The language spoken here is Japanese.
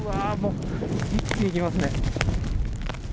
一気にきますね。